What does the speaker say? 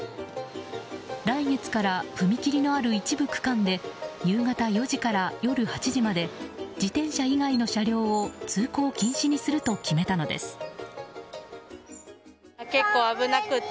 来月から踏切のある一部区間で夕方４時から夜８時まで自転車以外の車両を通行禁止にすると決めたのです。